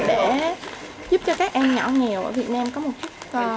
để giúp cho các em nhỏ nghèo ở việt nam có một chút